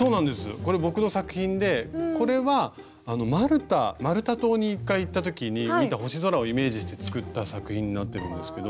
これ僕の作品でこれはマルタ島に一回行った時に見た星空をイメージして作った作品になってるんですけど。